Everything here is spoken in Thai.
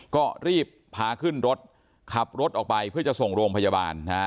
ก็รีบพาขึ้นรถขับรถออกไปเพื่อจะส่งโรงพยาบาลนะฮะ